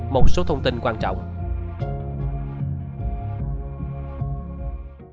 một số thông tin quan trọng